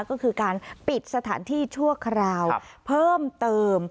ก็คือการปิดสถานที่ชั่วคราวเพิ่มเติม